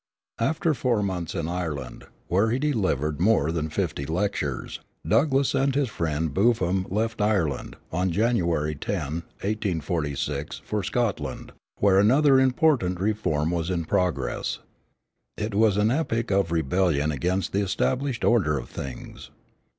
After four months in Ireland, where he delivered more than fifty lectures, Douglass and his friend Buffum left Ireland, on January 10, 1846, for Scotland, where another important reform was in progress. It was an epoch of rebellion against the established order of things.